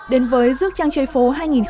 đến với rước trang chơi phố hai nghìn một mươi sáu